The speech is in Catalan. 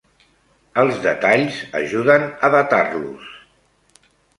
Els detalls ajuden a datar-los.